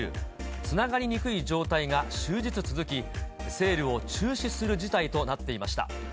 つながりにくい状態が終日続き、セールを中止する事態となっていました。